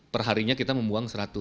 perharinya kita membuang seratus